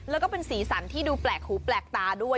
แล้วก็เป็นสีสันที่ดูแปลกหูแปลกตาด้วย